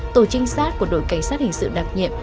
tổ trinh sát của đội cảnh sát hình sự đặc nhiệm